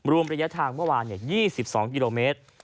รวมระยะทางเมื่อวาน๒๒กิโลเมตร